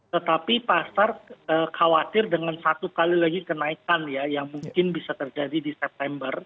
tetapi pasar khawatir dengan satu kali lagi kenaikan ya yang mungkin bisa terjadi di september